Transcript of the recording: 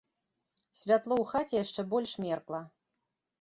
Святло ў хаце яшчэ больш меркла.